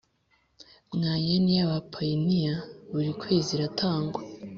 Mwayeni y ‘abapayiniya buri kwezi iratangwa.